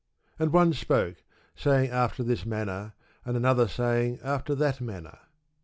And one spake, saying after this manner, and another saying after that manner.